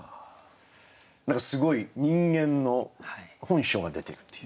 何かすごい人間の本性が出てるっていう。